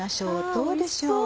どうでしょう？